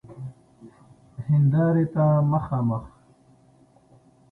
هیندارې ته مخامخ